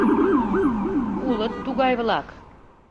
— Улыт тугай-влак...